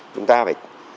chúng ta phải